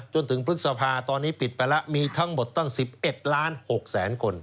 จนถึงปรึกษภาตอนนี้ปิดป่ะละมีทั้งหมดตั้งสิบเอ็ดล้านหกแสนคน